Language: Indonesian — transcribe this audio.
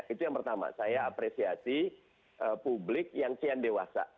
itu yang pertama saya apresiasi publik yang kian dewasa